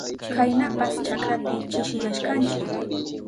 Kaynapas chakrapi chishiyashkanchi.